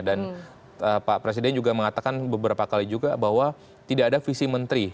dan pak presiden juga mengatakan beberapa kali juga bahwa tidak ada visi menteri